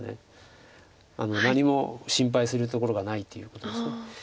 何も心配するところがないということです。